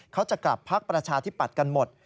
เขาจะกลับภักดิ์ประชาธิบัติกันหมด